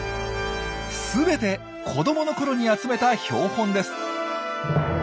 すべて子どものころに集めた標本です。